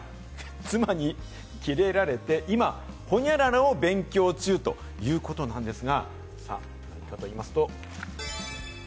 妻にキレられて今、ほにゃららを勉強中ということなんですが、さあ、何かと言いますと。